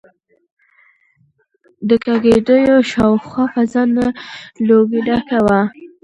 د کيږديو شاوخوا فضا له لوګي ډکه وه.